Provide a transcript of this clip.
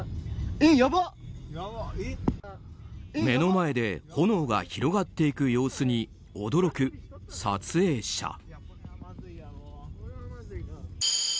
目の前で炎が広がっていく様子に驚く撮影者。